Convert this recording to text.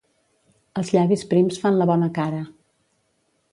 Els llavis prims fan la bona cara.